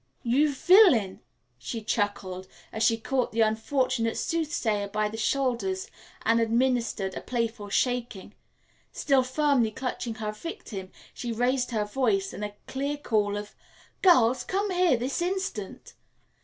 "You villain!" she chuckled, as she caught the unfortunate sooth sayer by the shoulders and administered a playful shaking. Still firmly clutching her victim, she raised her voice in a clear call of, "Girls, come here this instant!"